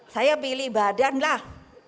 saya pilih badan lah